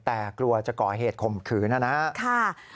แต่กลัวจะก่อเหตุข่มขืนนะครับ